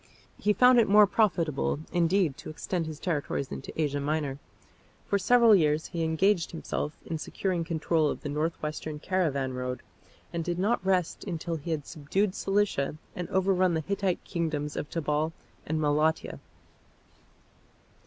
He found it more profitable, indeed, to extend his territories into Asia Minor. For several years he engaged himself in securing control of the north western caravan road, and did not rest until he had subdued Cilicia and overrun the Hittite kingdoms of Tabal and Malatia.